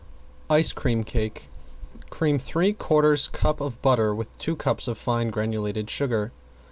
~ICE CREAM CAKE~ Cream three quarters cup of butter with two cups of fine granulated sugar.